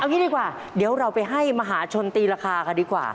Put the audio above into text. งี้ดีกว่าเดี๋ยวเราไปให้มหาชนตีราคากันดีกว่า